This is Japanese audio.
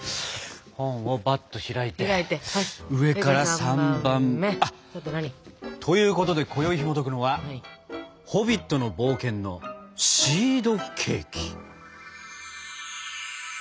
本をバッと開いて上から３番目あ！ということで今宵ひもとくのは「ホビットの冒険」のシードケーキ。